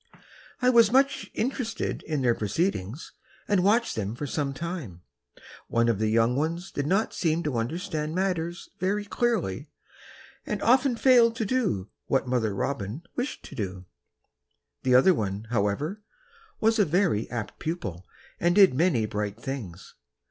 I was much interested in their proceedings and watched them for some time. One of the young ones did not seem to understand matters very clearly and often failed to do what mother robin wished it to. The other one, however, was a very apt pupil, and did many bright things.